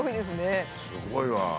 すごいわ。